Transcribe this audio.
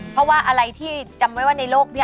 เพราะว่าอะไรที่จำไว้ว่าในโลกนี้